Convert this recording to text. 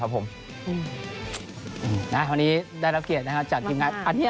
วันนี้ได้รับเกียรติจากทีมงาน